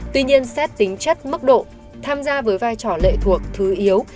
tuy nhiên xét tính chất mức độ tham gia với vai trò lệ thuộc thứ yếu